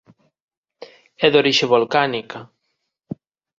É de orixe volcánica.